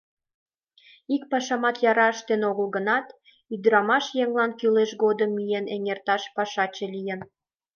Ик пашамат яра ыштен огыл гынат, ӱдырамаш еҥлан кӱлеш годым миен эҥерташ пашаче лийын.